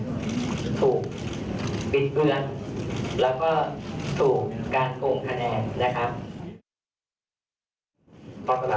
เราเห็นว่านายุครัตมตรี